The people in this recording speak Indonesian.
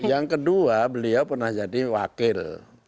yang kedua beliau pernah jadi wakil